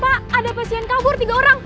pak ada pasien kabur tiga orang